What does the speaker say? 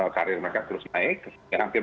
karir mereka terus naik ya hampir